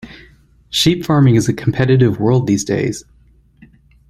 Sheep farming is a competitive world these days.